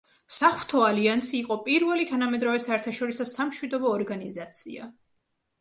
საღვთო ალიანსი იყო პირველი თანამედროვე საერთაშორისო სამშვიდობო ორგანიზაცია.